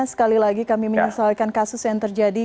sekali lagi kami menyesuaikan kasus yang terjadi